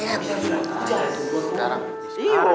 jangan tunggu sekarang